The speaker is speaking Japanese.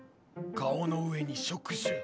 顔の上に触手。